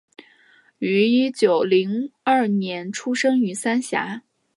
於一九零二年出生于三峡